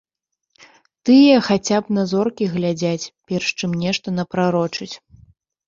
Тыя хаця б на зоркі глядзяць, перш чым нешта напрарочыць.